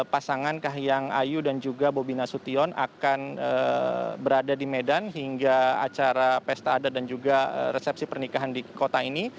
pasangan kahiyang ayu dan juga bobi nasution akan berada di medan hingga acara pesta adat dan juga resepsi pernikahan di kota ini